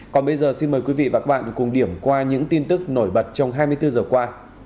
còn bây giờ xin mời quý vị và các bạn cùng điểm qua những tin tức nổi bật trong hai mươi bốn giờ qua